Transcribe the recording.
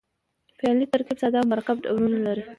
فعلي ترکیب ساده او مرکب ډولونه لري.